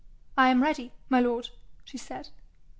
'I am ready, my lord,' she said.